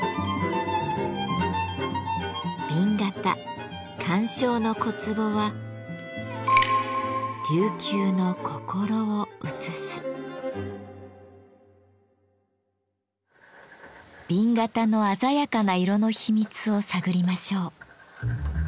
紅型鑑賞の小壺は紅型の鮮やかな色の秘密を探りましょう。